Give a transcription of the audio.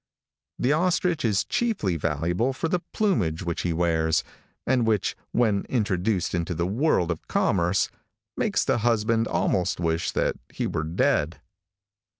The ostrich is chiefly valuable for the plumage which he wears, and which, when introduced into the world of commerce, makes the husband almost wish that he were dead.